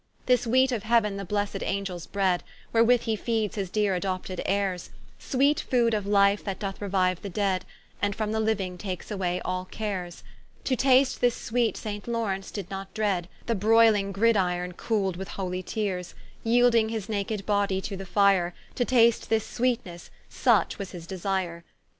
This wheate of Heauen the blessed Angells bread, Wherewith he feedes his deere adopted Heires; Sweet foode of life that doth reuiue the dead, And from the liuing takes away all cares; To taste this sweet Saint Laurence did not dread, The broyling gridyorne cool'd with holy teares: Yeelding his naked body to the fire, To taste this sweetnesse, such was his desire.